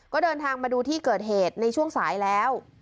ก็เดินทางมาดูที่เกิดเหตุในช่วงสายแล้ว